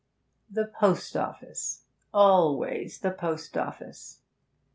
The post office, always the post office.